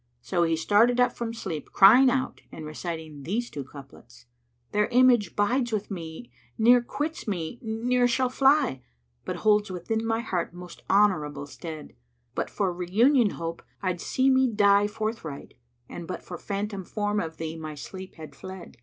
So he started up from sleep crying out and reciting these two couplets, "Their image bides with me, ne'er quits me, ne'er shall fly; * But holds within my heart most honourable stead; But for reunion hope, I'd see me die forthright, * And but for phantom form of thee my sleep had fled."